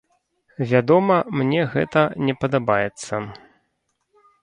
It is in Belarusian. Вядома, мне гэта не падабаецца.